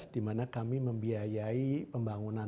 di mana kami membiayai pembangunan